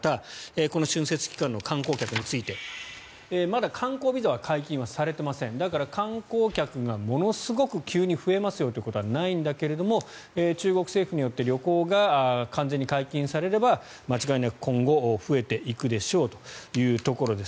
この春節期間の観光客についてまだ観光ビザは解禁はされていませんだから、観光客がものすごく急に増えますよということはないんだけれども中国政府によって旅行が完全に解禁されれば間違いなく今後増えていくでしょうというところです。